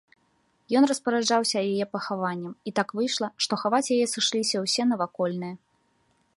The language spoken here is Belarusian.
Ён распараджаўся яе пахаваннем, і так выйшла, што хаваць яе сышліся ўсе навакольныя.